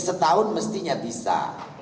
setahun mestinya bisa